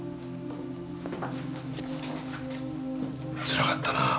つらかったな。